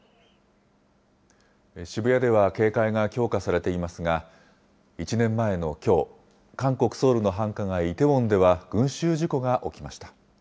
渋谷では警戒が強化されていますが、１年前のきょう、韓国・ソウルの繁華街、イテウォンでは群集事故が起きました。